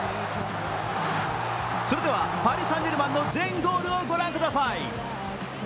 それではパリ・サン＝ジェルマンの全ゴールを御覧ください。